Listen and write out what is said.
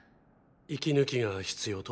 息抜きが必要と？